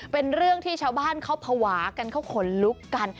เป็นเรื่องที่ชาวบ้านเขาภาวะกันเขาขนลุกกัน